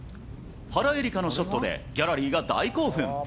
原英莉花のショットで、ギャラリーが大興奮。